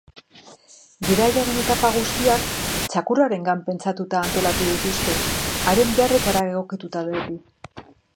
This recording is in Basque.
Bidaiaren etapa guztiak txakurrarengan pentsatuta antolatu dituzte, haren beharretara egokituta beti.